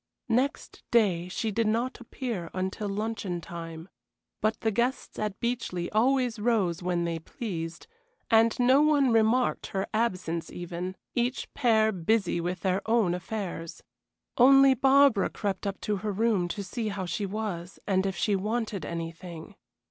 Next day she did not appear until luncheon time. But the guests at Beechleigh always rose when they pleased, and no one remarked her absence even, each pair busy with their own affairs. Only Barbara crept up to her room to see how she was, and if she wanted anything.